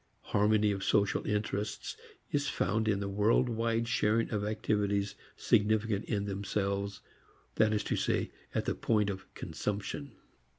Harmony of social interests is found in the wide spread sharing of activities significant in themselves, that is to say, at the point of consumption.